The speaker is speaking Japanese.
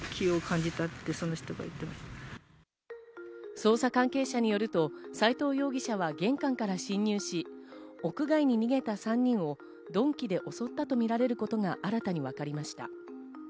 捜査関係者によると、斎藤容疑者は玄関から侵入し、屋外に逃げた３人を鈍器で襲ったとみられることが新たに分かりました。